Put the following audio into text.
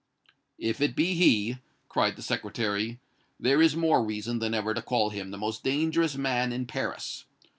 "If it be he," cried the Secretary, "there is more reason than ever to call him the most dangerous man in Paris.